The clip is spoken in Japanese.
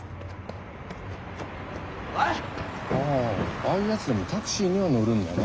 ああいうやつでもタクシーには乗るんだな。